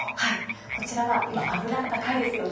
こちらは油が高いですよね。